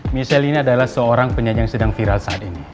misel ini adalah seorang penyanyi yang sedang viral saat ini